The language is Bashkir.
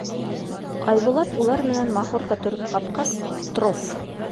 Айбулат улар менән махорка төрөп ҡапҡас, Петров: